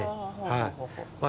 はい。